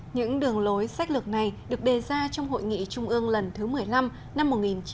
những đường lối sách lược này được đề ra trong hội nghị trung ương lần thứ một mươi năm năm một nghìn chín trăm bảy mươi